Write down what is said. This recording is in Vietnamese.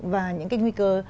và những cái nguy cơ